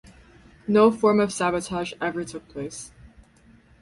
No form of sabotage ever took place.